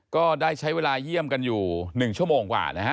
ก็ได้ใช้เวลาเยี่ยมกันอยู่๑ชั่วโมงกว่านะฮะ